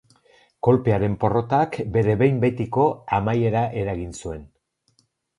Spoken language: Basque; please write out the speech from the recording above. Kolpearen porrotak bere behin betiko amaiera eragin zuen.